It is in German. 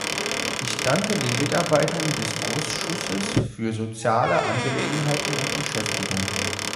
Ich danke den Mitarbeitern des Ausschusses für soziale Angelegenheiten und Beschäftigung.